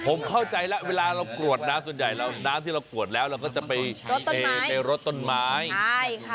ผมเข้าใจแล้วเวลาเรากรวดน้ำส่วนใหญ่น้ำที่เรากรวดแล้วเราก็จะไปรดต้นไม้